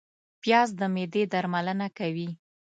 پیاز د معدې درملنه کوي